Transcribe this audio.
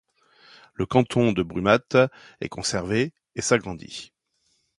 Le canton de Brumath est conservé et s'agrandit.